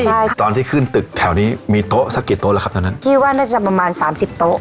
ใช่ตอนที่ขึ้นตึกแถวนี้มีโต๊ะสักกี่โต๊ะแล้วครับตอนนั้นคิดว่าน่าจะประมาณสามสิบโต๊ะ